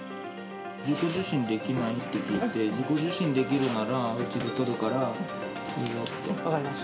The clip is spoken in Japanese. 自己受診できないか聞いて、自己受診できるなら、うちでとるからいいよって。